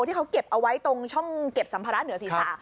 ที่เขาเก็บเอาไว้ตรงช่องเก็บสัมภาระเหนือศีรษะ